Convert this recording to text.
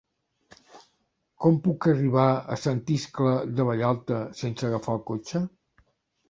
Com puc arribar a Sant Iscle de Vallalta sense agafar el cotxe?